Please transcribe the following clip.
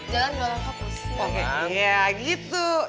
jalan jalan kapus